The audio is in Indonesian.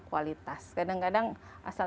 kualitas kadang kadang asal